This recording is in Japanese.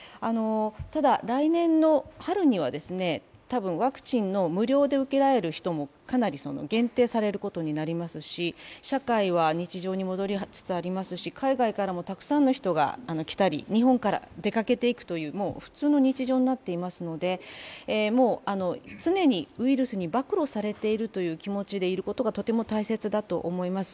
ただ、来年の春には多分、ワクチンの無料で受けられる人もかなり限定されることになりますし、社会は日常に戻りつつありますし、海外からもたくさんの人が来たり日本から出かけていくという、もう普通の日常になっていますので常にウイルスに暴露されているという気持ちがとても大切だと思います。